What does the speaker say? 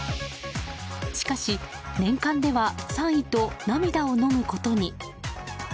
しかし、年間では３位と涙をのむことに。